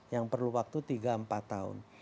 yang perlu waktu tiga empat tahun